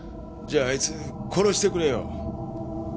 じゃああいつ殺してくれよ。